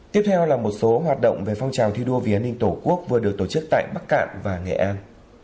tiếp theo là một số hoạt động về phong trào thi đua vì an ninh tổ quốc vừa được tổ chức tại bắc cạn và nghệ an